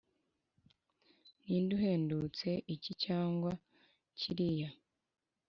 ninde uhendutse, iki cyangwa kiriya?